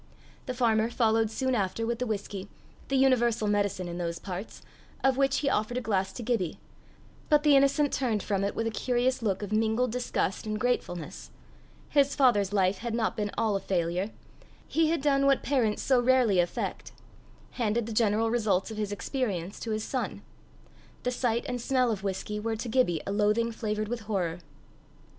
The farmer followed soon after with the whisky, the universal medicine in those parts, of which he offered a glass to Gibbie, but the innocent turned from it with a curious look of mingled disgust and gratefulness: his father's life had not been all a failure; he had done what parents so rarely effect handed the general results of his experience to his son. The sight and smell of whisky were to Gibbie a loathing flavoured with horror.